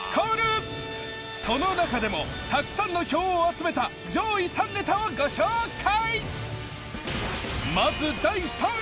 そのなかでもたくさんの票を集めた上位３ネタをご紹介。